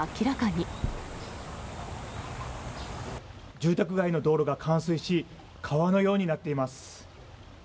住宅街の道路が冠水し、川のようになっています。